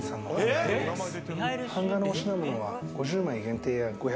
版画のお品物は５０枚限定や５００枚限定。